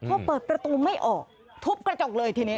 พอเปิดประตูไม่ออกทุบกระจกเลยทีนี้